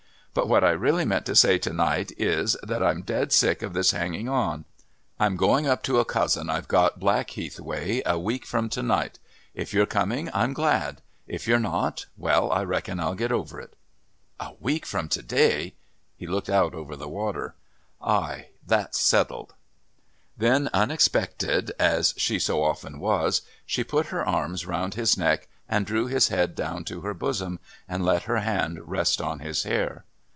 But what I really meant to say to night is, that I'm dead sick of this hanging on. I'm going up to a cousin I've got Blackheath way a week from to night. If you're coming, I'm glad. If you're not well, I reckon I'll get over it." "A week from to day " He looked out over the water. "Aye. That's settled." Then, unexpected, as she so often was, she put her arms round his neck and drew his head down to her bosom and let her hand rest on his hair.